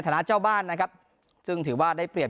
นะเจ้าบ้านนะครับซึ่งถือว่าได้เปรียบ